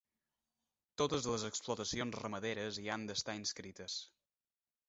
Totes les explotacions ramaderes hi han d'estar inscrites.